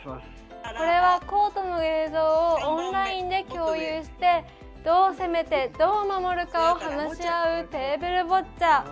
これはコートの映像をオンラインで共有してどう攻めてどう守るかを話し合うテーブルボッチャ。